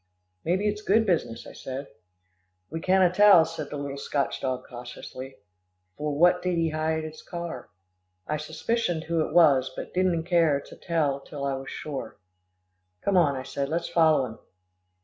"Maybe it's good business," I said. "We canna tell," said the little Scotch dog cautiously. "For what did he hide his car? I suspicioned who it was, but didna care to tell till I was sure." "Come on," I said, "let's follow him."